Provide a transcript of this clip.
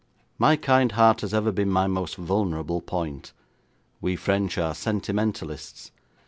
My kind heart has ever been my most vulnerable point. We French are sentimentalists.